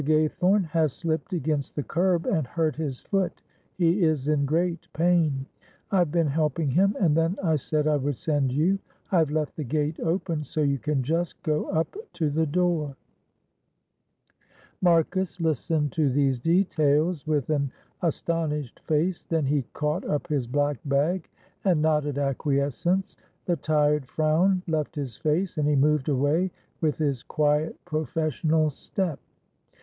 Gaythorne has slipped against the curb and hurt his foot; he is in great pain. I have been helping him, and then I said I would send you. I have left the gate open so you can just go up to the door." Marcus listened to these details with an astonished face; then he caught up his black bag and nodded acquiescence. The tired frown left his face, and he moved away with his quiet, professional step.